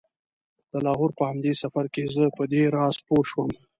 د لاهور په همدې سفر کې زه په دې راز پوی شوم.